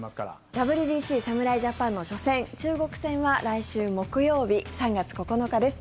ＷＢＣ侍ジャパンの初戦、中国戦は来週木曜日、３月９日です。